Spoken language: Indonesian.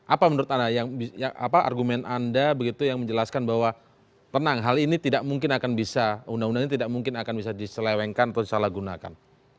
apa menurut anda argumen anda begitu yang menjelaskan bahwa tenang hal ini tidak mungkin akan bisa undang undang ini tidak mungkin akan bisa diselewengkan atau disalahgunakan